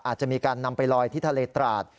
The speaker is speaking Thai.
อาจจะมีการนำไปลอยที่ทะเลตราด